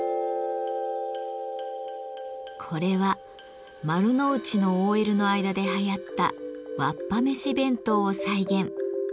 これは丸の内のＯＬの間ではやったわっぱめし弁当を再現。